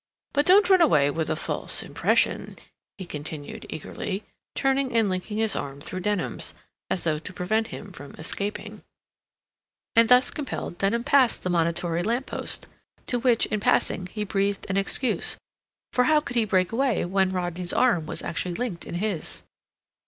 But don't run away with a false impression," he continued eagerly, turning and linking his arm through Denham's, as though to prevent him from escaping; and, thus compelled, Denham passed the monitory lamp post, to which, in passing, he breathed an excuse, for how could he break away when Rodney's arm was actually linked in his?